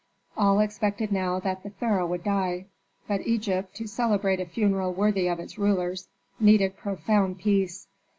All expected now that the pharaoh would die. But Egypt, to celebrate a funeral worthy of its ruler, needed profound peace.